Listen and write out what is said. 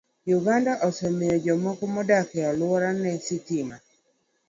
Uganda osemiyo jomoko modak e alworane sitima.